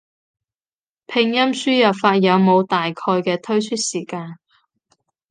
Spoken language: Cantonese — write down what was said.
拼音輸入法有冇大概嘅推出時間？